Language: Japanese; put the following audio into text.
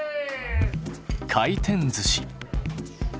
回転ずし。